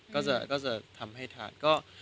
ก็จะทำให้ทานก็